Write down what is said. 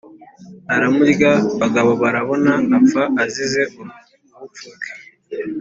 iramurya! Bagabobarabona apfa azize ubupfu bwe